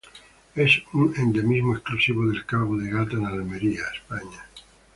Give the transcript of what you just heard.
Es un endemismo exclusivo del Cabo de Gata en Almería, España.